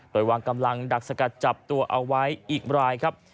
โดยวางกำลังดักสกัดจับตัวเอาไว้อีกรายครับ